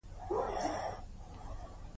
په نوکر پسې مې زنګ وواهه چې ګیلاسونه راوړي.